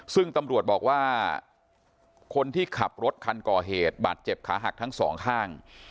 ซึ่งตำรวจบอกว่าคนที่ขับรถคันก่อเหตุบาดเจ็บขาหักทั้งสองข้าง